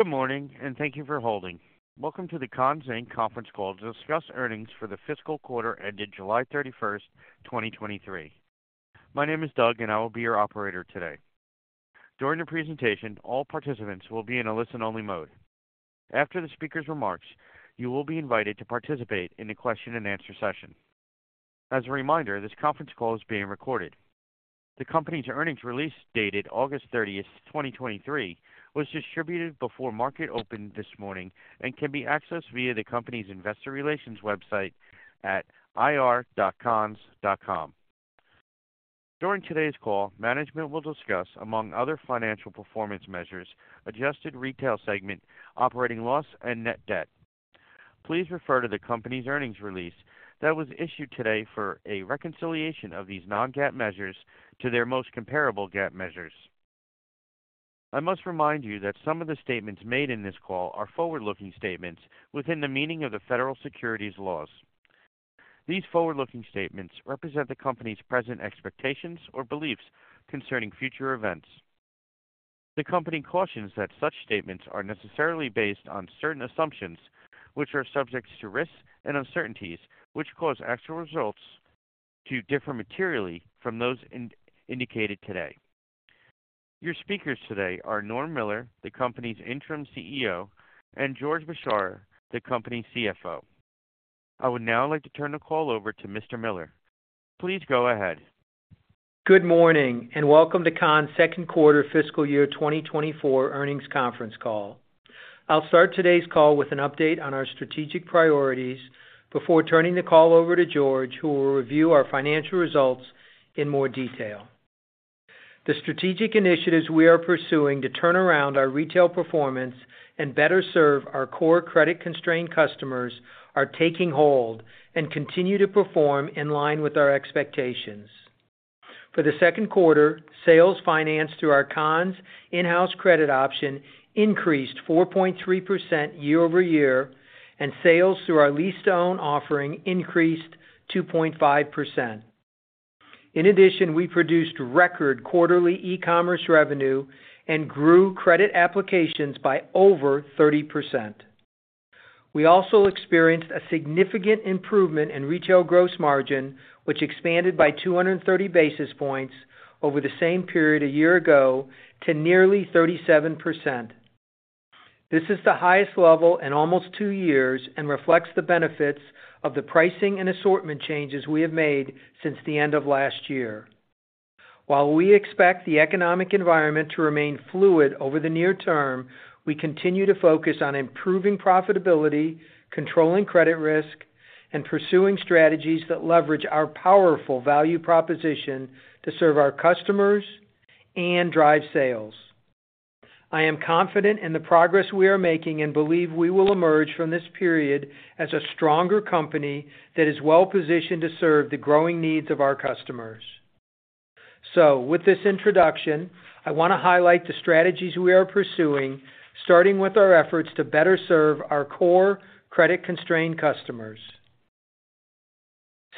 Good morning, and thank you for holding. Welcome to the Conn's, Inc. conference call to discuss earnings for the fiscal quarter ended July 31st, 2023. My name is Doug, and I will be your operator today. During the presentation, all participants will be in a listen-only mode. After the speaker's remarks, you will be invited to participate in a question-and-answer session. As a reminder, this conference call is being recorded. The company's earnings release, dated August 30th, 2023, was distributed before market open this morning and can be accessed via the company's investor relations website at ir.conns.com. During today's call, management will discuss, among other financial performance measures, adjusted retail segment operating loss, and net debt. Please refer to the company's earnings release that was issued today for a reconciliation of these non-GAAP measures to their most comparable GAAP measures. I must remind you that some of the statements made in this call are forward-looking statements within the meaning of the federal securities laws. These forward-looking statements represent the company's present expectations or beliefs concerning future events. The company cautions that such statements are necessarily based on certain assumptions, which are subject to risks and uncertainties, which cause actual results to differ materially from those indicated today. Your speakers today are Norm Miller, the company's interim CEO, and George Bchara, the company's CFO. I would now like to turn the call over to Mr. Miller. Please go ahead. Good morning, and welcome to Conn's second quarter fiscal year 2024 earnings conference call. I'll start today's call with an update on our strategic priorities before turning the call over to George, who will review our financial results in more detail. The strategic initiatives we are pursuing to turn around our retail performance and better serve our core credit-constrained customers are taking hold and continue to perform in line with our expectations. For the second quarter, sales financed through our Conn's in-house credit option increased 4.3% year-over-year, and sales through our lease-to-own offering increased 2.5%. In addition, we produced record quarterly e-commerce revenue and grew credit applications by over 30%. We also experienced a significant improvement in retail gross margin, which expanded by 230 basis points over the same period a year ago to nearly 37%. This is the highest level in almost two years and reflects the benefits of the pricing and assortment changes we have made since the end of last year. While we expect the economic environment to remain fluid over the near term, we continue to focus on improving profitability, controlling credit risk, and pursuing strategies that leverage our powerful value proposition to serve our customers and drive sales. I am confident in the progress we are making and believe we will emerge from this period as a stronger company that is well-positioned to serve the growing needs of our customers. So with this introduction, I want to highlight the strategies we are pursuing, starting with our efforts to better serve our core credit-constrained customers.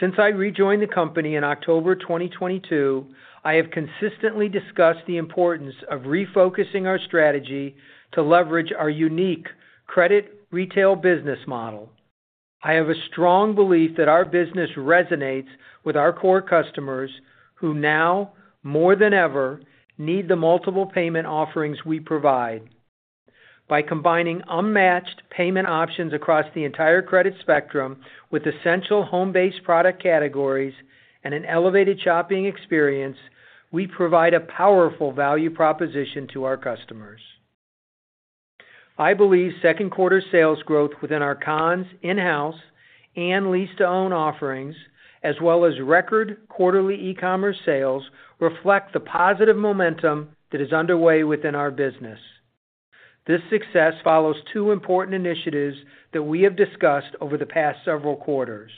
Since I rejoined the company in October 2022, I have consistently discussed the importance of refocusing our strategy to leverage our unique credit retail business model. I have a strong belief that our business resonates with our core customers, who now, more than ever, need the multiple payment offerings we provide. By combining unmatched payment options across the entire credit spectrum with essential home-based product categories and an elevated shopping experience, we provide a powerful value proposition to our customers. I believe second-quarter sales growth within our Conn's in-house and lease-to-own offerings, as well as record quarterly e-commerce sales, reflect the positive momentum that is underway within our business. This success follows two important initiatives that we have discussed over the past several quarters.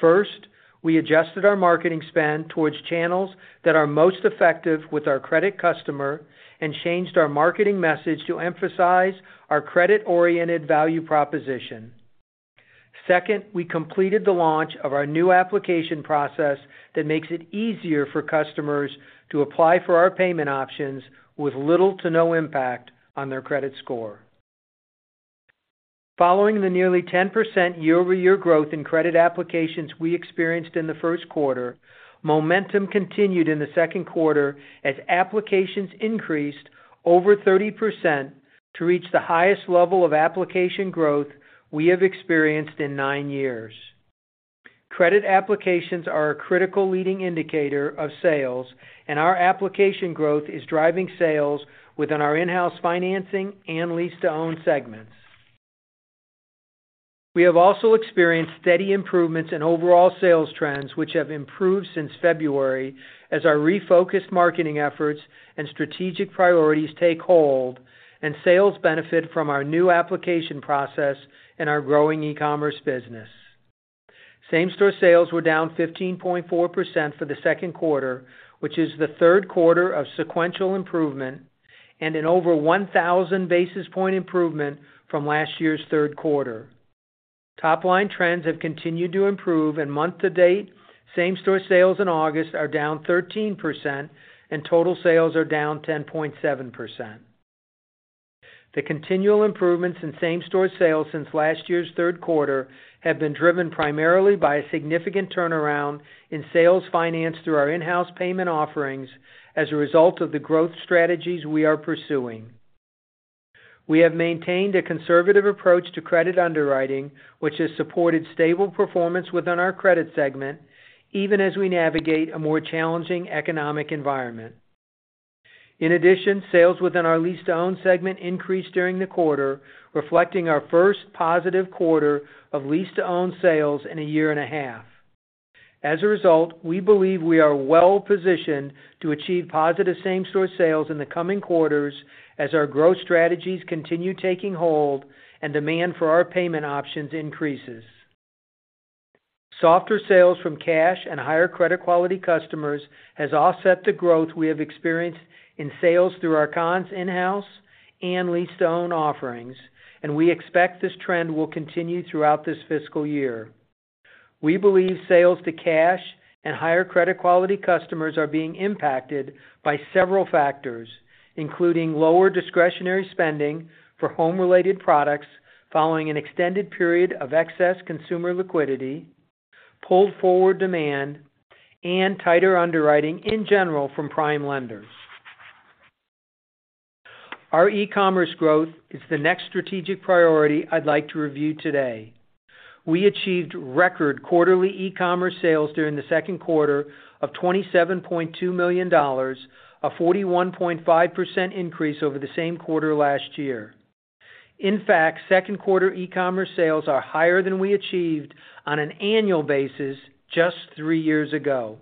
First, we adjusted our marketing spend towards channels that are most effective with our credit customer and changed our marketing message to emphasize our credit-oriented value proposition. Second, we completed the launch of our new application process that makes it easier for customers to apply for our payment options with little to no impact on their credit score. Following the nearly 10% year-over-year growth in credit applications we experienced in the first quarter, momentum continued in the second quarter as applications increased over 30% to reach the highest level of application growth we have experienced in 9 years. Credit applications are a critical leading indicator of sales, and our application growth is driving sales within our in-house financing and lease-to-own segments. We have also experienced steady improvements in overall sales trends, which have improved since February as our refocused marketing efforts and strategic priorities take hold and sales benefit from our new application process and our growing e-commerce business. Same-store sales were down 15.4% for the second quarter, which is the third quarter of sequential improvement and an over 1,000 basis point improvement from last year's third quarter. Top-line trends have continued to improve, and month-to-date, same-store sales in August are down 13%, and total sales are down 10.7%. The continual improvements in same-store sales since last year's third quarter have been driven primarily by a significant turnaround in sales finance through our in-house payment offerings as a result of the growth strategies we are pursuing. We have maintained a conservative approach to credit underwriting, which has supported stable performance within our credit segment, even as we navigate a more challenging economic environment. In addition, sales within our lease-to-own segment increased during the quarter, reflecting our first positive quarter of lease-to-own sales in a year and a half. As a result, we believe we are well-positioned to achieve positive same-store sales in the coming quarters as our growth strategies continue taking hold and demand for our payment options increases. Softer sales from cash and higher credit quality customers has offset the growth we have experienced in sales through our Conn's in-house and lease-to-own offerings, and we expect this trend will continue throughout this fiscal year. We believe sales to cash and higher credit quality customers are being impacted by several factors, including lower discretionary spending for home-related products following an extended period of excess consumer liquidity, pulled forward demand, and tighter underwriting in general from prime lenders. Our e-commerce growth is the next strategic priority I'd like to review today. We achieved record quarterly e-commerce sales during the second quarter of $27.2 million, a 41.5% increase over the same quarter last year. In fact, second quarter e-commerce sales are higher than we achieved on an annual basis just three years ago.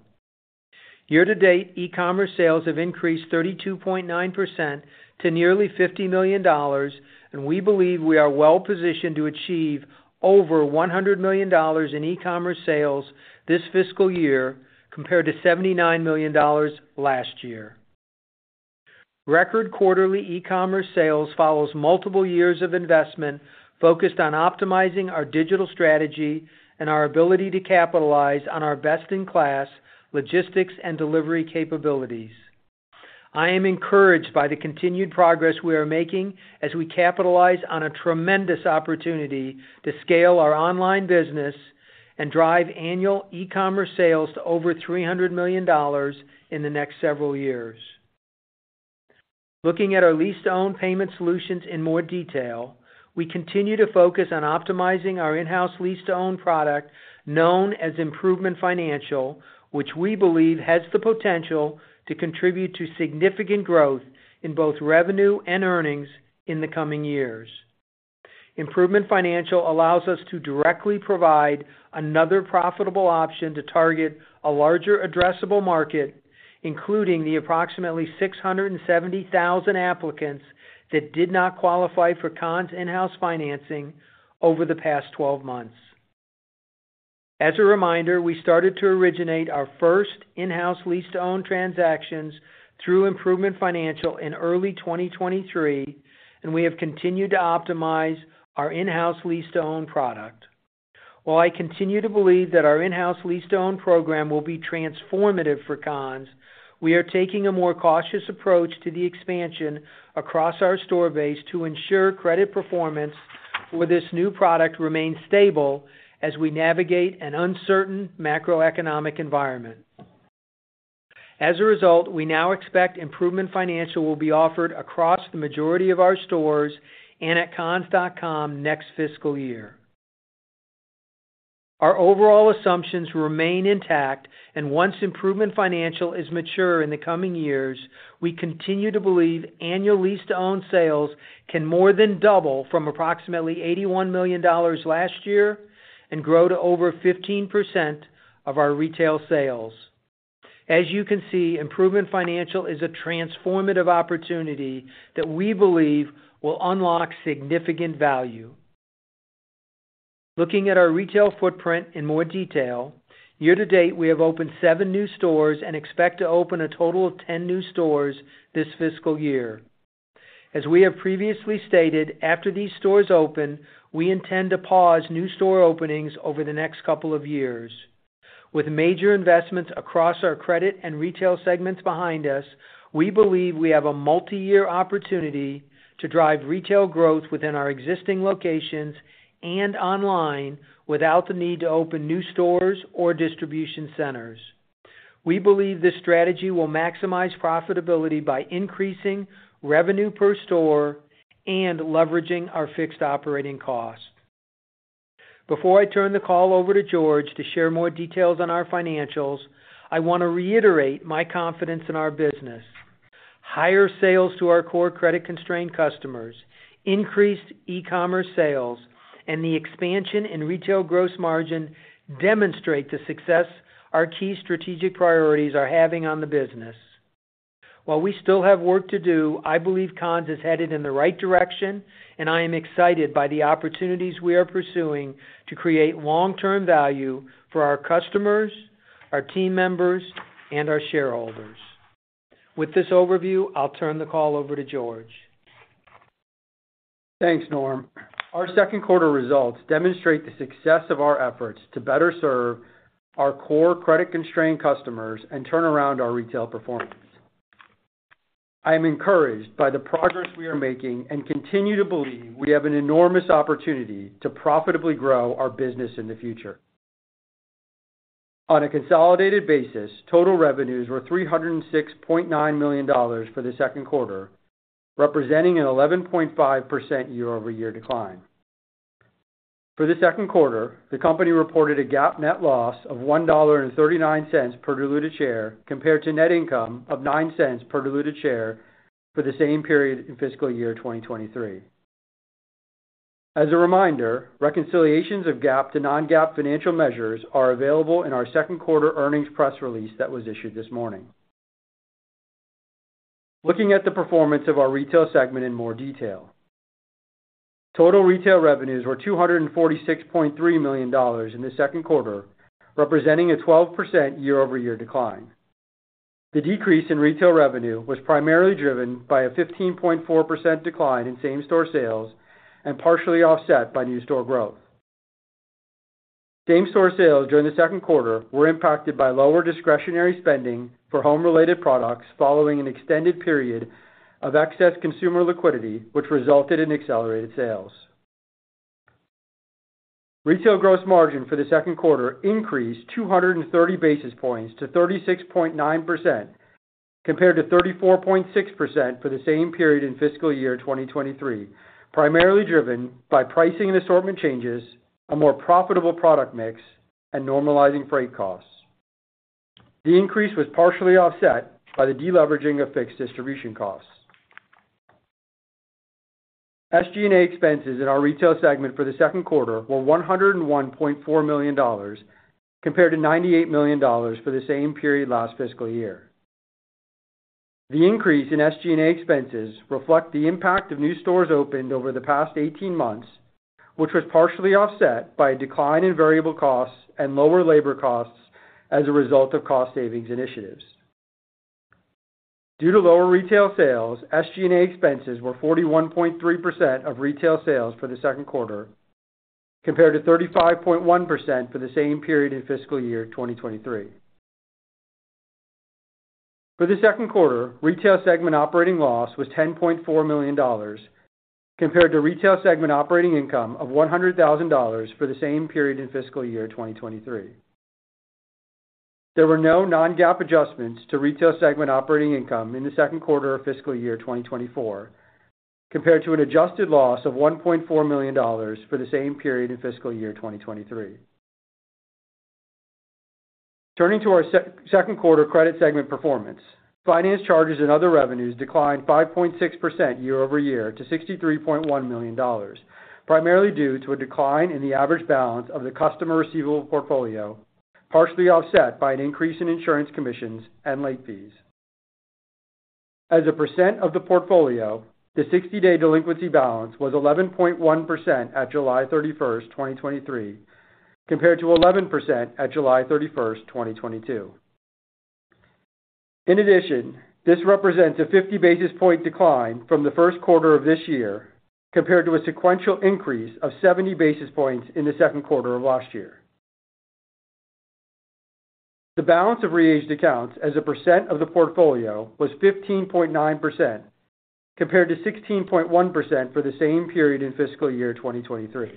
Year-to-date, e-commerce sales have increased 32.9% to nearly $50 million, and we believe we are well-positioned to achieve over $100 million in e-commerce sales this fiscal year, compared to $79 million last year. Record quarterly e-commerce sales follows multiple years of investment focused on optimizing our digital strategy and our ability to capitalize on our best-in-class logistics and delivery capabilities. I am encouraged by the continued progress we are making as we capitalize on a tremendous opportunity to scale our online business and drive annual e-commerce sales to over $300 million in the next several years. Looking at our lease-to-own payment solutions in more detail, we continue to focus on optimizing our in-house lease-to-own product, known as Improvement Financial, which we believe has the potential to contribute to significant growth in both revenue and earnings in the coming years. Improvement Financial allows us to directly provide another profitable option to target a larger addressable market, including the approximately 670,000 applicants that did not qualify for Conn's in-house financing over the past 12 months. As a reminder, we started to originate our first in-house lease-to-own transactions through Improvement Financial in early 2023, and we have continued to optimize our in-house lease-to-own product. While I continue to believe that our in-house lease-to-own program will be transformative for Conn's, we are taking a more cautious approach to the expansion across our store base to ensure credit performance for this new product remains stable as we navigate an uncertain macroeconomic environment. As a result, we now expect Improvement Financial will be offered across the majority of our stores and at conns.com next fiscal year. Our overall assumptions remain intact, and once Improvement Financial is mature in the coming years, we continue to believe annual lease-to-own sales can more than double from approximately $81 million last year and grow to over 15% of our retail sales. As you can see, Improvement Financial is a transformative opportunity that we believe will unlock significant value. Looking at our retail footprint in more detail, year-to-date, we have opened 7 new stores and expect to open a total of 10 new stores this fiscal year. As we have previously stated, after these stores open, we intend to pause new store openings over the next couple of years. With major investments across our credit and retail segments behind us, we believe we have a multiyear opportunity to drive retail growth within our existing locations and online without the need to open new stores or distribution centers. We believe this strategy will maximize profitability by increasing revenue per store and leveraging our fixed operating costs. Before I turn the call over to George to share more details on our financials, I want to reiterate my confidence in our business. Higher sales to our core credit-constrained customers, increased e-commerce sales, and the expansion in retail gross margin demonstrate the success our key strategic priorities are having on the business. While we still have work to do, I believe Conn's is headed in the right direction, and I am excited by the opportunities we are pursuing to create long-term value for our customers, our team members, and our shareholders. With this overview, I'll turn the call over to George. Thanks, Norm. Our second quarter results demonstrate the success of our efforts to better serve our core credit-constrained customers and turn around our retail performance. I am encouraged by the progress we are making, and continue to believe we have an enormous opportunity to profitably grow our business in the future. On a consolidated basis, total revenues were $306.9 million for the second quarter, representing an 11.5% year-over-year decline. For the second quarter, the company reported a GAAP net loss of $1.39 per diluted share, compared to net income of $0.09 per diluted share for the same period in fiscal year 2023. As a reminder, reconciliations of GAAP to non-GAAP financial measures are available in our second quarter earnings press release that was issued this morning. Looking at the performance of our retail segment in more detail. Total retail revenues were $246.3 million in the second quarter, representing a 12% year-over-year decline. The decrease in retail revenue was primarily driven by a 15.4% decline in same-store sales, and partially offset by new store growth. Same-store sales during the second quarter were impacted by lower discretionary spending for home-related products, following an extended period of excess consumer liquidity, which resulted in accelerated sales. Retail gross margin for the second quarter increased 230 basis points to 36.9%, compared to 34.6% for the same period in fiscal year 2023, primarily driven by pricing and assortment changes, a more profitable product mix, and normalizing freight costs. The increase was partially offset by the deleveraging of fixed distribution costs. SG&A expenses in our retail segment for the second quarter were $101.4 million, compared to $98 million for the same period last fiscal year. The increase in SG&A expenses reflect the impact of new stores opened over the past 18 months, which was partially offset by a decline in variable costs and lower labor costs as a result of cost savings initiatives. Due to lower retail sales, SG&A expenses were 41.3% of retail sales for the second quarter, compared to 35.1% for the same period in fiscal year 2023. For the second quarter, retail segment operating loss was $10.4 million, compared to retail segment operating income of $100,000 for the same period in fiscal year 2023. There were no non-GAAP adjustments to retail segment operating income in the second quarter of fiscal year 2024, compared to an adjusted loss of $1.4 million for the same period in fiscal year 2023. Turning to our second quarter credit segment performance. Finance charges and other revenues declined 5.6% year-over-year to $63.1 million, primarily due to a decline in the average balance of the customer receivable portfolio, partially offset by an increase in insurance commissions and late fees. As a percent of the portfolio, the 60-day delinquency balance was 11.1% at July 31, 2023, compared to 11% at July 31, 2022. In addition, this represents a 50 basis point decline from the first quarter of this year, compared to a sequential increase of 70 basis points in the second quarter of last year. The balance of re-aged accounts as a percent of the portfolio was 15.9%, compared to 16.1% for the same period in fiscal year 2023.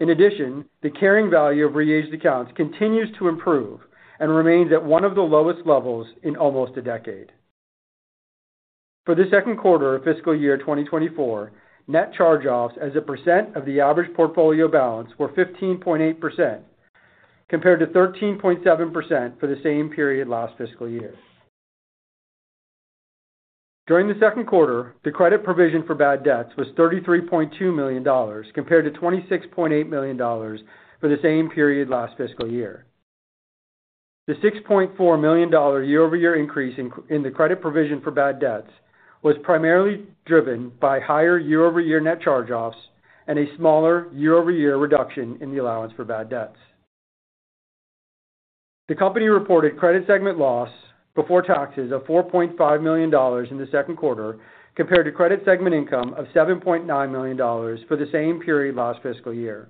In addition, the carrying value of re-aged accounts continues to improve and remains at one of the lowest levels in almost a decade. For the second quarter of fiscal year 2024, net charge-offs as a percent of the average portfolio balance were 15.8%, compared to 13.7% for the same period last fiscal year. During the second quarter, the credit provision for bad debts was $33.2 million, compared to $26.8 million for the same period last fiscal year. The $6.4 million year-over-year increase in the credit provision for bad debts was primarily driven by higher year-over-year net charge-offs and a smaller year-over-year reduction in the allowance for bad debts. The company reported credit segment loss before taxes of $4.5 million in the second quarter, compared to credit segment income of $7.9 million for the same period last fiscal year.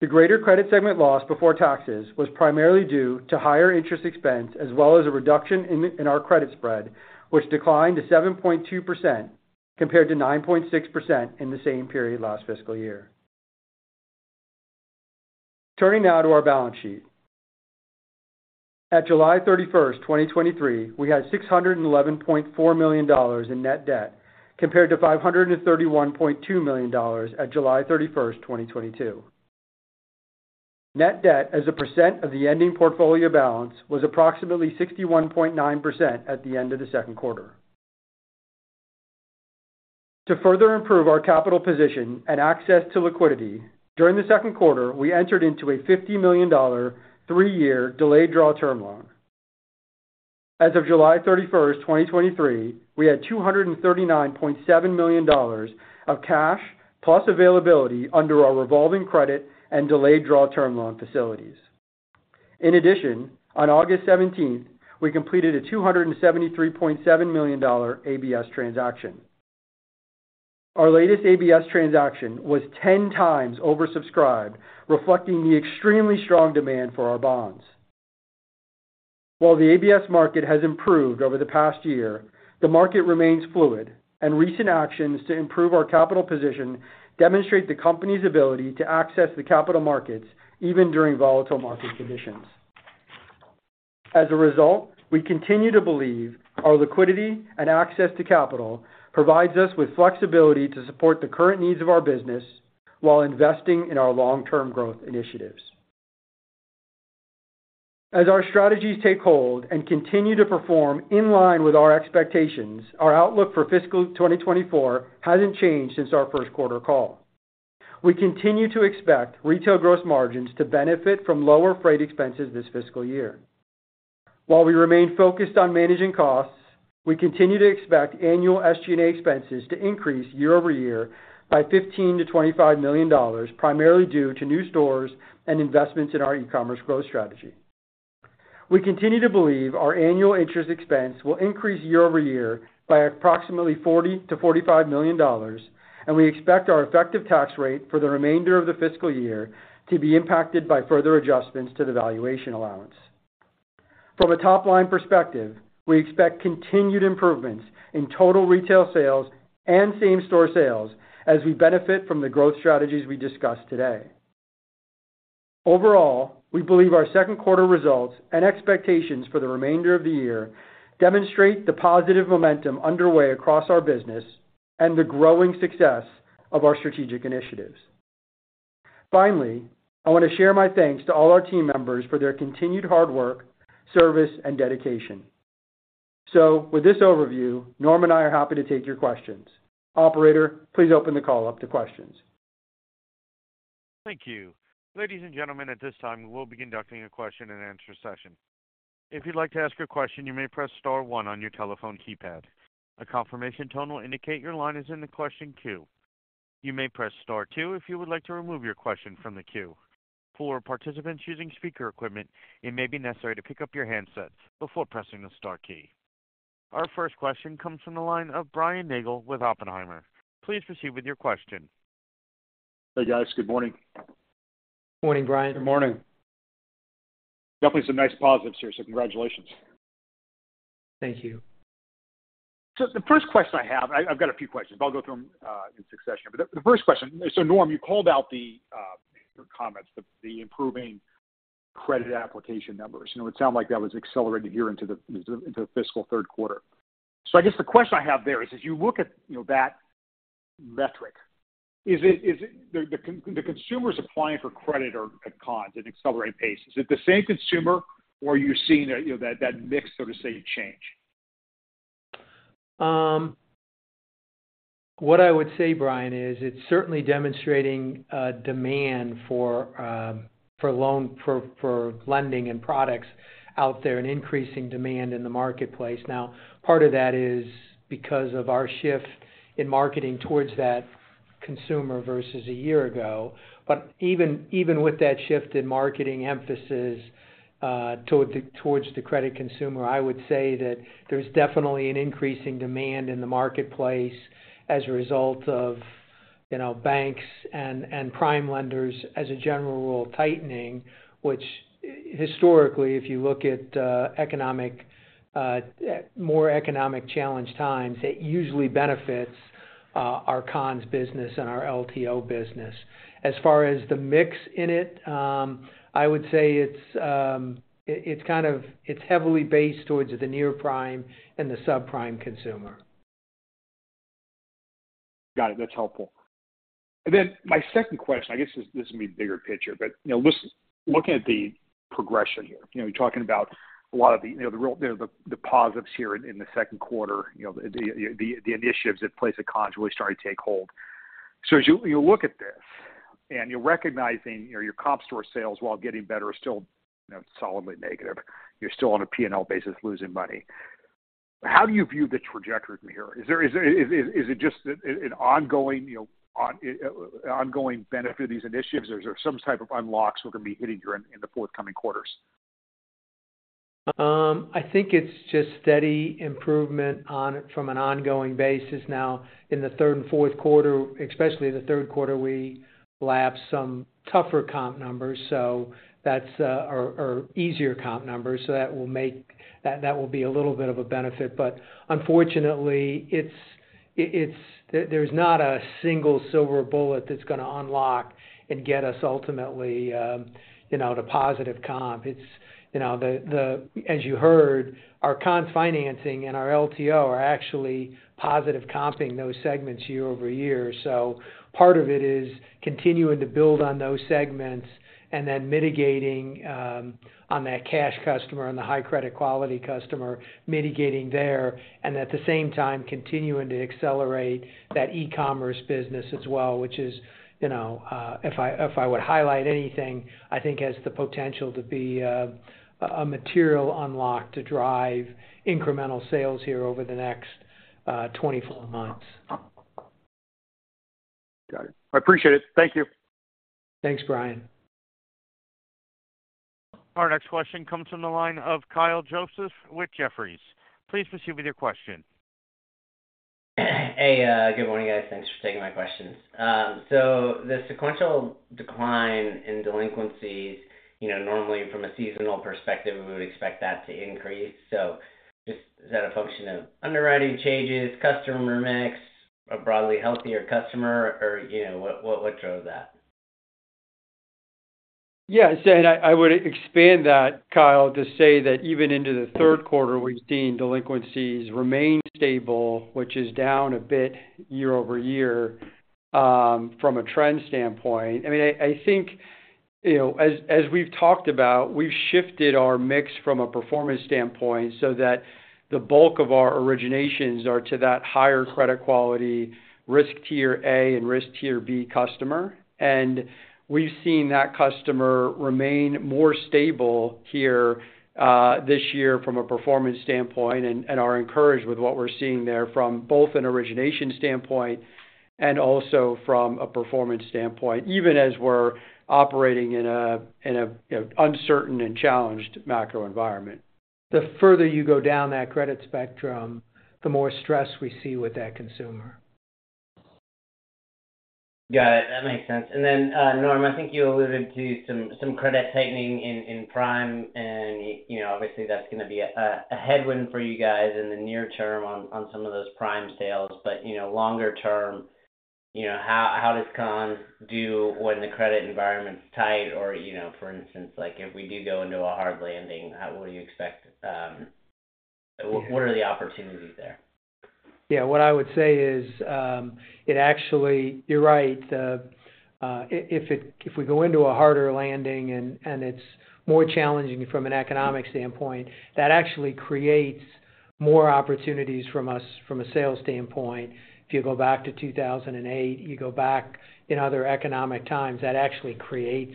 The greater credit segment loss before taxes was primarily due to higher interest expense, as well as a reduction in our credit spread, which declined to 7.2%, compared to 9.6% in the same period last fiscal year. Turning now to our balance sheet. At July 31st, 2023, we had $611.4 million in net debt, compared to $531.2 million at July 31st, 2022. Net debt as a percent of the ending portfolio balance was approximately 61.9% at the end of the second quarter. To further improve our capital position and access to liquidity, during the second quarter, we entered into a $50 million, three-year Delayed Draw Term Loan. As of July 31st, 2023, we had $239.7 million of cash, plus availability under our revolving credit and Delayed Draw Term Loan facilities. In addition, on August 17th, we completed a $273.7 million ABS transaction. Our latest ABS transaction was 10x oversubscribed, reflecting the extremely strong demand for our bonds. While the ABS market has improved over the past year, the market remains fluid, and recent actions to improve our capital position demonstrate the company's ability to access the capital markets even during volatile market conditions. As a result, we continue to believe our liquidity and access to capital provides us with flexibility to support the current needs of our business while investing in our long-term growth initiatives. As our strategies take hold and continue to perform in line with our expectations, our outlook for fiscal 2024 hasn't changed since our first quarter call. We continue to expect retail gross margins to benefit from lower freight expenses this fiscal year. While we remain focused on managing costs, we continue to expect annual SG&A expenses to increase year-over-year by $15 million-$25 million, primarily due to new stores and investments in our e-commerce growth strategy. We continue to believe our annual interest expense will increase year-over-year by approximately $40 million-$45 million, and we expect our effective tax rate for the remainder of the fiscal year to be impacted by further adjustments to the valuation allowance. From a top-line perspective, we expect continued improvements in total retail sales and same-store sales as we benefit from the growth strategies we discussed today. Overall, we believe our second quarter results and expectations for the remainder of the year demonstrate the positive momentum underway across our business and the growing success of our strategic initiatives. Finally, I want to share my thanks to all our team members for their continued hard work, service, and dedication. So with this overview, Norm and I are happy to take your questions. Operator, please open the call up to questions. Thank you. Ladies and gentlemen, at this time, we will be conducting a question-and-answer session. If you'd like to ask a question, you may press star one on your telephone keypad. A confirmation tone will indicate your line is in the question queue. You may press star two if you would like to remove your question from the queue. For participants using speaker equipment, it may be necessary to pick up your handsets before pressing the star key. Our first question comes from the line of Brian Nagel with Oppenheimer. Please proceed with your question. Hey, guys. Good morning. Morning, Brian. Good morning. Definitely some nice positives here, so congratulations. Thank you. So the first question I have, I've got a few questions, but I'll go through them in succession. But the first question, so Norm, you called out your comments, the improving credit application numbers. You know, it sounded like that was accelerated here into the fiscal third quarter. So I guess the question I have there is, as you look at, you know, that metric, is it the consumers applying for credit or at Conn's at an accelerated pace, is it the same consumer, or are you seeing, you know, that mix, so to say, change? What I would say, Brian, is it's certainly demonstrating a demand for lending and products out there and increasing demand in the marketplace. Now, part of that is because of our shift in marketing towards that consumer versus a year ago. But even with that shift in marketing emphasis towards the credit consumer, I would say that there's definitely an increasing demand in the marketplace as a result of, you know, banks and prime lenders as a general rule, tightening, which historically, if you look at economic, more economic challenged times, it usually benefits our Conn's business and our LTO business. As far as the mix in it, I would say it's kind of heavily based towards the near prime and the subprime consumer. Got it. That's helpful. And then my second question, I guess this may be bigger picture, but, you know, just looking at the progression here, you know, you're talking about a lot of the real positives here in the second quarter, you know, the initiatives in place at Conn's really starting to take hold. So as you look at this and you're recognizing, you know, your comp store sales, while getting better, are still, you know, solidly negative, you're still on a P&L basis, losing money. How do you view the trajectory from here? Is it just an ongoing, you know, ongoing benefit of these initiatives, or is there some type of unlocks we're gonna be hitting in the forthcoming quarters? I think it's just steady improvement on from an ongoing basis now. In the third and fourth quarter, especially in the third quarter, we lap some tougher comp numbers, so that's or easier comp numbers, so that will be a little bit of a benefit. But unfortunately, it's there's not a single silver bullet that's gonna unlock and get us ultimately, you know, to positive comp. It's, you know, the, as you heard, our Conn's financing and our LTO are actually positive comping those segments year-over-year. So part of it is continuing to build on those segments and then mitigating, on that cash customer and the high credit quality customer, mitigating there, and at the same time, continuing to accelerate that e-commerce business as well, which is, you know, if I, if I would highlight anything, I think has the potential to be a, a material unlock to drive incremental sales here over the next, 24 months. Got it. I appreciate it. Thank you. Thanks, Brian. Our next question comes from the line of Kyle Joseph with Jefferies. Please proceed with your question. Hey, good morning, guys. Thanks for taking my questions. So the sequential decline in delinquencies, you know, normally from a seasonal perspective, we would expect that to increase. So just is that a function of underwriting changes, customer mix, a broadly healthier customer, or, you know, what drove that? Yeah, and I would expand that, Kyle, to say that even into the third quarter, we've seen delinquencies remain stable, which is down a bit year-over-year, from a trend standpoint. I mean, I think, you know, as we've talked about, we've shifted our mix from a performance standpoint so that the bulk of our originations are to that higher credit quality risk tier A and risk tier B customer. And we've seen that customer remain more stable here, this year from a performance standpoint, and are encouraged with what we're seeing there from both an origination standpoint and also from a performance standpoint, even as we're operating in an uncertain and challenged macro environment. The further you go down that credit spectrum, the more stress we see with that consumer. Got it. That makes sense. And then, Norm, I think you alluded to some credit tightening in Prime, and you know, obviously that's gonna be a headwind for you guys in the near term on some of those Prime sales. But, you know, longer term, you know, how does Conn's do when the credit environment's tight or, you know, for instance, like, if we do go into a hard landing, how would you expect... what are the opportunities there? Yeah. What I would say is, it actually-- you're right. If we go into a harder landing and it's more challenging from an economic standpoint, that actually creates more opportunities from us from a sales standpoint. If you go back to 2008, you go back in other economic times, that actually creates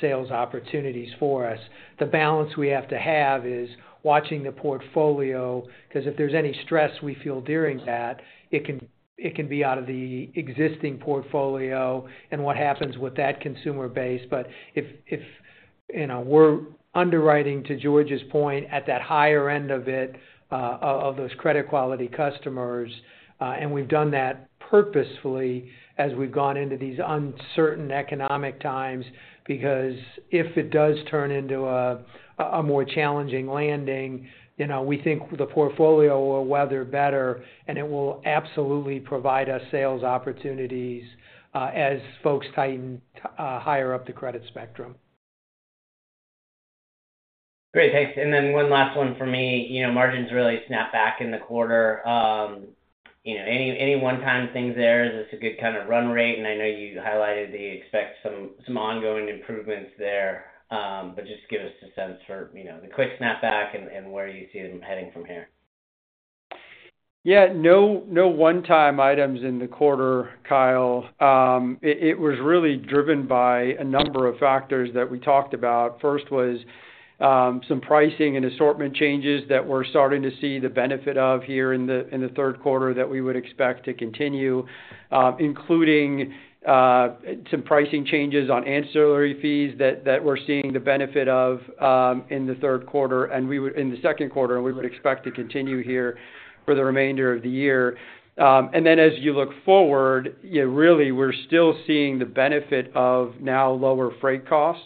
sales opportunities for us. The balance we have to have is watching the portfolio, 'cause if there's any stress we feel during that, it can be out of the existing portfolio and what happens with that consumer base. But if you know, we're underwriting, to George's point, at that higher end of it, of those credit quality customers, and we've done that purposefully as we've gone into these uncertain economic times. Because if it does turn into a more challenging landing, you know, we think the portfolio will weather better, and it will absolutely provide us sales opportunities, as folks tighten higher up the credit spectrum. Great. Thanks. And then one last one for me. You know, margins really snap back in the quarter. You know, any one-time things there? Is this a good kind of run rate? And I know you highlighted that you expect some ongoing improvements there. But just give us a sense for, you know, the quick snapback and where you see them heading from here. Yeah. No, no one-time items in the quarter, Kyle. It was really driven by a number of factors that we talked about. First was some pricing and assortment changes that we're starting to see the benefit of here in the third quarter that we would expect to continue, including some pricing changes on ancillary fees that we're seeing the benefit of in the third quarter, and we would in the second quarter, and we would expect to continue here for the remainder of the year. And then as you look forward, yeah, really, we're still seeing the benefit of now lower freight costs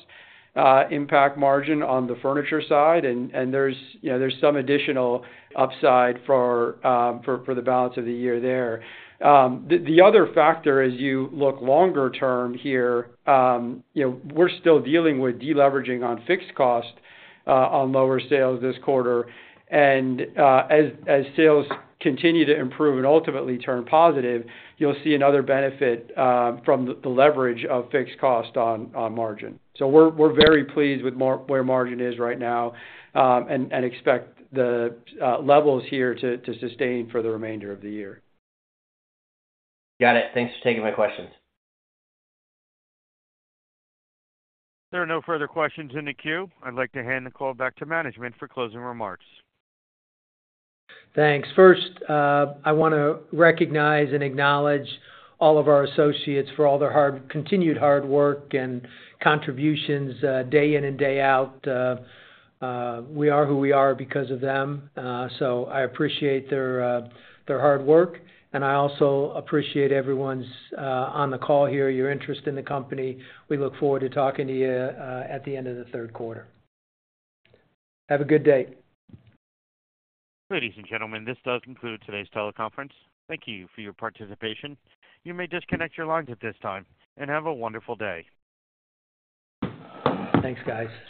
impact margin on the furniture side, and there's, you know, there's some additional upside for the balance of the year there. The other factor as you look longer term here, you know, we're still dealing with deleveraging on fixed cost on lower sales this quarter. As sales continue to improve and ultimately turn positive, you'll see another benefit from the leverage of fixed cost on margin. We're very pleased with where margin is right now, and expect the levels here to sustain for the remainder of the year. Got it. Thanks for taking my questions. There are no further questions in the queue. I'd like to hand the call back to management for closing remarks. Thanks. First, I want to recognize and acknowledge all of our associates for all their hard, continued hard work and contributions, day in and day out. We are who we are because of them, so I appreciate their hard work, and I also appreciate everyone's on the call here, your interest in the company. We look forward to talking to you at the end of the third quarter. Have a good day. Ladies and gentlemen, this does conclude today's teleconference. Thank you for your participation. You may disconnect your lines at this time, and have a wonderful day. Thanks, guys.